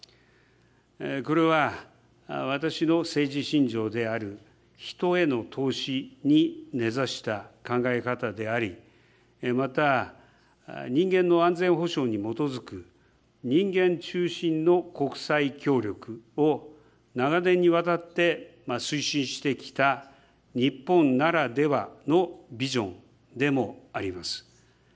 これは私の政治信条である人への投資に根ざした考え方であり、また、人間の安全保障に基づく、人間中心の国際協力を長年にわたって推進してきた日本ならではのビジョンでもあります。